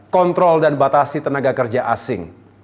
kontrol dan batasi tenaga kerja asing